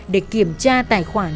để kiểm tra tài khoản